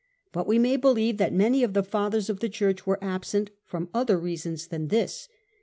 But'we may believe, that many of the Fathers of the Church were absent from other reasons than this.